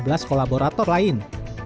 jelas kolaborator lain